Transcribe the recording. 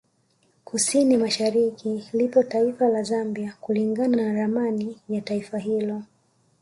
Kusini masahariki lipo taifa la Zambia kulingana na ramani ya Taifa hilo